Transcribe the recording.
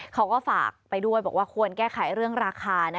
เขาก็ฝากไปด้วยบอกว่าควรแก้ไขเรื่องราคา